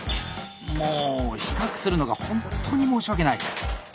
もう比較するのがほんとに申し訳ない。